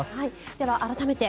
では改めて。